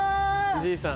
じいさん？